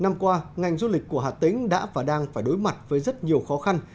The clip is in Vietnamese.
năm qua ngành du lịch của hà tĩnh đã và đang phải đối mặt với rất nhiều khó khăn